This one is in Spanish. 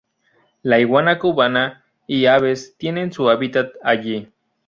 La iguana cubana y aves tienen su hábitat allí.